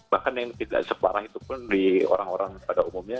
bahkan yang tidak separah itu pun di orang orang pada umumnya